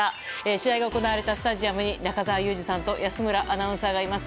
試合が行われたスタジアムに中澤佑二さんと安村アナウンサーがいます。